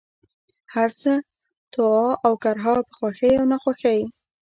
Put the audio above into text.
هرڅه، طوعا اوكرها ، په خوښۍ او ناخوښۍ،